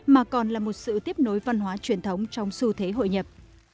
mà còn là một sự tiếp nối văn hóa truyền thống trong xu thế hội nhập